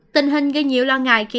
tình hình gây nhiều lo ngại